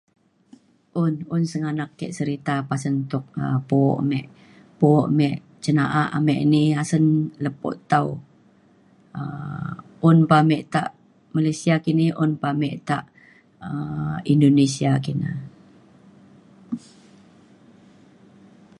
un un sengganak ke serita pasen tuk[um] po me. po me cin na'a ame ini asen lepo tau um un pa ame tak Malaysia kini un pa ame tak Indonesia kina.